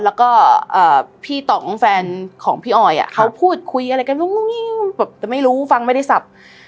แล้วก็พี่ต่องแฟนของพี่ออยเขาพูดคุยอะไรกันงูแบบแต่ไม่รู้ฟังไม่ได้สับ